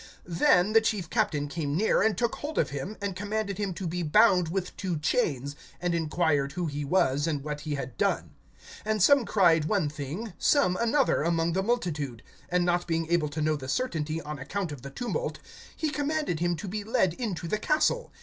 (33)Then the chief captain came near, and took hold of him, and commanded him to be bound with two chains; and inquired who he was, and what he had done. (34)And some cried one thing, some another, among the multitude; and not being able to know the certainty on account of the tumult, he commanded him to be led into the castle.